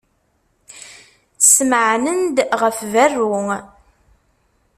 Smeɛnen-d ɣef berru.